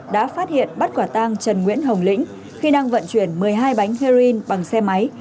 đã phát hiện bắt quả tang trần nguyễn hồng lĩnh khi đang vận chuyển một mươi hai bánh heroin bằng xe máy